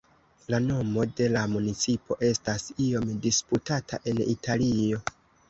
La nomo de la municipo estas iom disputata en Italio.